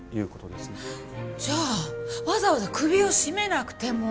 じゃあわざわざ首を絞めなくても。